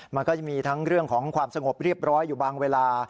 มันก็จะมีทั้งเรื่องของความสงบเรียบร้อยอยู่บางเวลา